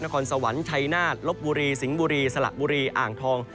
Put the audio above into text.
ครสวรรค์ชัยนาฏลบบุรีสิงห์บุรีสละบุรีอ่างทอง